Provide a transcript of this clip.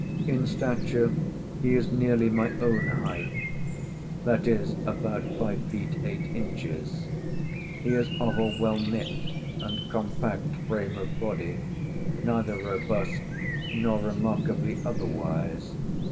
In stature he is nearly my own height; that is, about five feet eight inches. He is of a well knit and compact frame of body, neither robust nor remarkably otherwise.